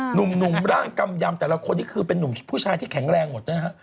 หนุ่มร่างกำยำแต่ละคนนี้คือเป็นผู้ชายที่แข็งแรงหมดนะฮะ